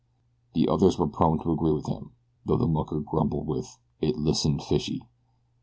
The others were prone to agree with him, though the mucker grumbled that "it listened fishy."